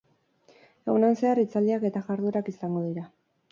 Egunean zehar hitzaldiak eta jarduerak izango dira.